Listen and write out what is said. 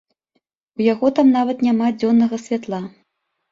У яго там нават няма дзённага святла.